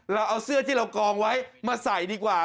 เราเอาเสื้อที่เรากองไว้มาใส่ดีกว่า